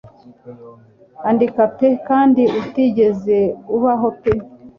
Andika pe kandi utigeze ubaho pe